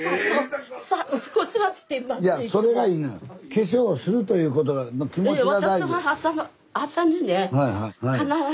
化粧をするということが気持ちが大事。